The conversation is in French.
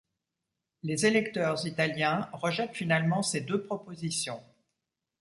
Les électeurs italiens rejettent finalement ces deux propositions.